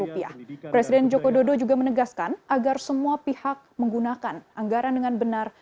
presiden joko dodo juga menegaskan agar semua pihak menggunakan anggaran dengan benar